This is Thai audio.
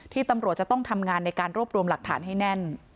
ตำรวจจะต้องทำงานในการรวบรวมหลักฐานให้แน่น